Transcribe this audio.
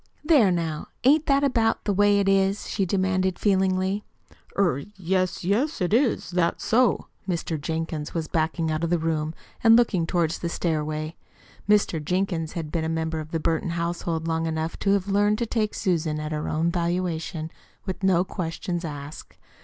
There, now, ain't that about the way 'tis?" she demanded feelingly. "Er yes, yes, it is. That's so." Mr. Jenkins was backing out of the room and looking toward the stairway. Mr. Jenkins had been a member of the Burton household long enough to have learned to take Susan at her own valuation, with no questions asked.